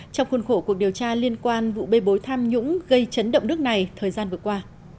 trong khuôn khổ cuộc điều tra liên quan vụ bê bối tham nhũng gây chấn động nước này thời gian vừa qua